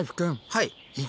はい。